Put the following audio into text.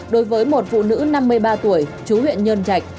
đối với một phụ nữ năm mươi ba tuổi chú huyện nhân trạch